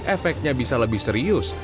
efeknya bisa lebih serius